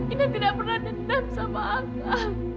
inah tidak pernah dendam sama saya